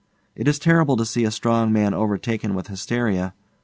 It is terrible to see a strong man overtaken with hysteria.